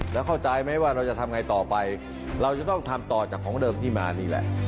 แล้วเข้าใจไหมว่าเราจะทำไงต่อไปเราจะต้องทำต่อจากของเดิมที่มานี่แหละ